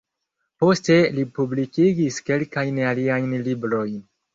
Poste li publikigis kelkajn aliajn librojn.